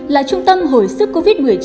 là trung tâm hồi sức covid một mươi chín